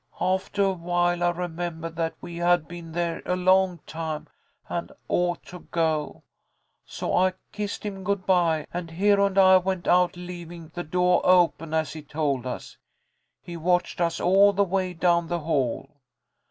Aftah awhile I remembahed that we had been there a long time, and ought to go, so I kissed him good bye, and Hero and I went out, leavin' the doah open as he told us. He watched us all the way down the hall.